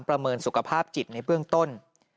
เมินสุขภาพจิตในเบื้องต้น